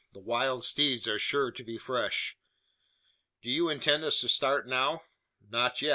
The wild steeds are sure to be fresh." "Do you intend us to start now?" "Not yet.